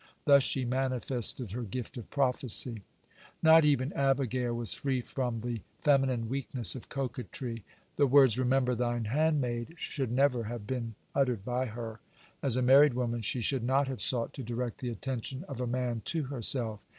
Thus she manifested her gift of prophecy. Not even Abigail was free from the feminine weakness of coquetry. The words "remember thine handmaid" should never have been uttered by her. As a married woman, she should not have sought to direct the attention of a man to herself.